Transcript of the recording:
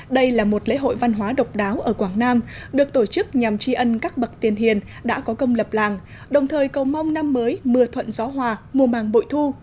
đây là một lễ hội văn hóa độc đáo ở quảng nam được tổ chức nhằm tri ân các bậc tiền hiền đã có công lập làng đồng thời cầu mong năm mới mưa thuận gió hòa mùa màng bội thu